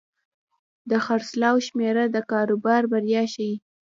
د خرڅلاو شمېره د کاروبار بریا ښيي.